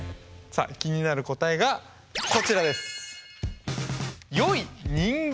さあ気になる答えがこちらです。